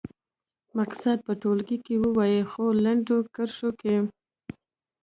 مقصد په ټولګي کې ووايي څو لنډو کرښو کې.